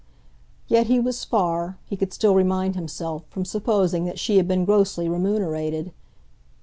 Yet he was far, he could still remind himself, from supposing that she had been grossly remunerated.